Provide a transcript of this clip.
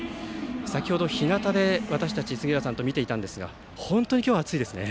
先程、ひなたで私たちは杉浦さんと見ていたんですが本当に今日は暑いですね。